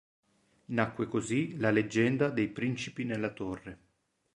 Nacque così la leggenda dei Principi nella Torre.